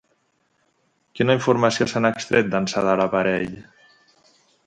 Quina informació se n'ha extret d'ençà de l'aparell?